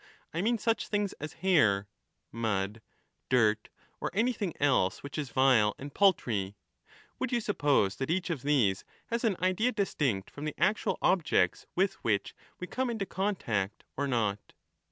— I mean such things as hair, mud, dirt, or anything else which is vile and paltry ; would you suppose that each of these has an idea distinct from the actual objects with which we come into contact, or not